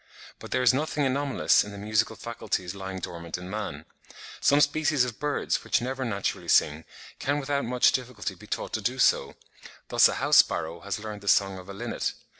But there is nothing anomalous in the musical faculties lying dormant in man: some species of birds which never naturally sing, can without much difficulty be taught to do so; thus a house sparrow has learnt the song of a linnet.